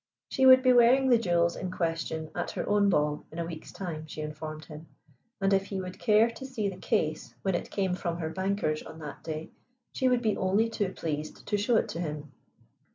She would be wearing the jewels in question at her own ball in a week's time, she informed him, and if he would care to see the case when it came from her bankers on that day, she would be only too pleased to show it to him.